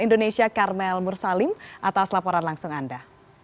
indonesia karmel mursalim atas laporan langsung anda